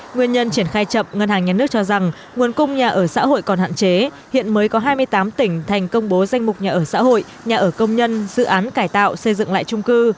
nguyên nhân triển khai chậm ngân hàng nhà nước cho rằng nguồn cung nhà ở xã hội còn hạn chế hiện mới có hai mươi tám tỉnh thành công bố danh mục nhà ở xã hội nhà ở công nhân dự án cải tạo xây dựng lại trung cư